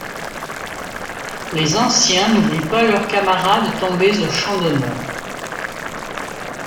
Les anciens n'oublient pas leurs camarades tombés au champ d'honneur.